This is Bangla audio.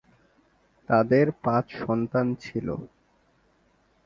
তাদের পাঁচ সন্তান ছিল।